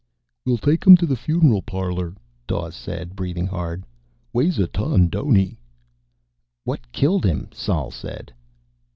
"We'll take him to the funeral parlor," Dawes said, breathing hard. "Weighs a ton, don't he?" "What killed him?" Sol said.